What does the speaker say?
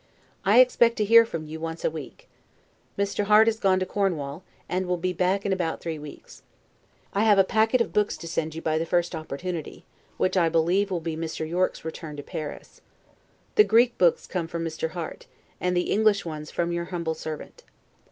I expect to hear from you once a week. Mr. Harte is gone to Cornwall, and will be back in about three weeks. I have a packet of books to send you by the first opportunity, which I believe will be Mr. Yorke's return to Paris. The Greek books come from Mr. Harte, and the English ones from your humble servant.